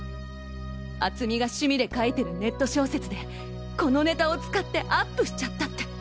敦実が趣味で書いてるネット小説でこのネタを使ってアップしちゃったって。